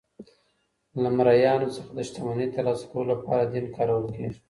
له مریانو څخه د شتمنۍ ترلاسه کولو لپاره دین کارول کیږي.